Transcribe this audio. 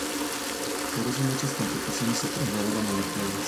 Por eso, muchas competiciones se trasladaron a las playas.